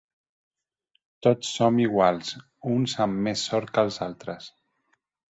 Tots som iguals, uns amb més sort que els altres.